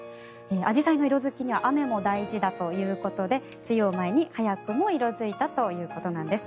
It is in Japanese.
アジサイの色付きには雨も大事だということで梅雨を前に早くも色付いたということなんです。